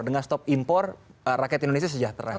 dengan stop impor rakyat indonesia sejahtera